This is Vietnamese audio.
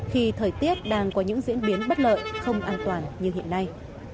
khi thời tiết đang có những diễn biến bất lợi không an toàn như hiện nay